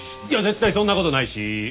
いや絶対そんなことないし。